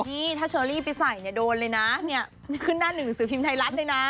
นี่ถ้าเชอรี่ไปใส่เนี่ยโดนเลยนะเนี่ยขึ้นหน้าหนึ่งสือพิมพ์ไทยรัฐเลยนะ